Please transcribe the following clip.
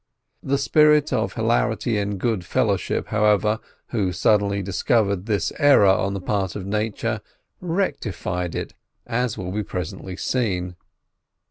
The spirit of hilarity and good fellowship, however, who suddenly discovered this error on the part of Nature, rectified it, as will be presently seen.